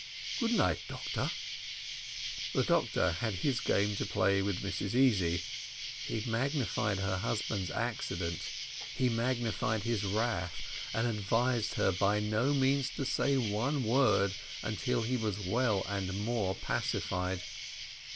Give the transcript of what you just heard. "Good night, doctor." The doctor had his game to play with Mrs Easy. He magnified her husband's accident he magnified his wrath, and advised her by no means to say one word, until he was well, and more pacified.